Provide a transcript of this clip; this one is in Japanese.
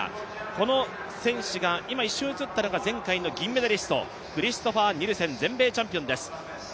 この選手が、今一瞬映ったのが前回の銀メダリスト、クリストファー・ニルセン、全米チャンピオンです。